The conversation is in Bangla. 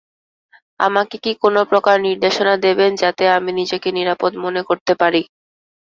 আমাকে কি কোন প্রকার নির্দেশনা দেবেন যাতে আমি নিজেকে নিরাপদ মনে করতে পারি?